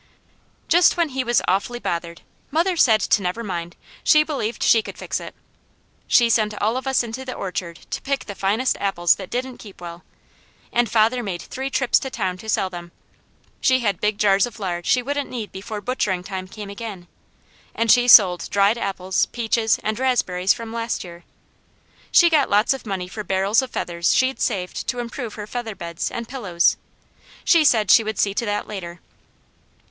Just when he was awfully bothered, mother said to never mind, she believed she could fix it. She sent all of us into the orchard to pick the fine apples that didn't keep well, and father made three trips to town to sell them. She had big jars of lard she wouldn't need before butchering time came again, and she sold dried apples, peaches, and raspberries from last year. She got lots of money for barrels of feathers she'd saved to improve her feather beds and pillows; she said she would see to that later.